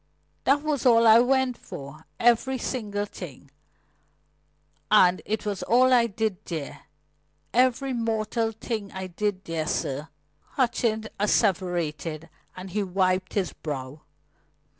"That was all I went for every single thing. And it was all I did there every mortal thing I did there, sir," Hutchings asseverated, and he wiped his brow.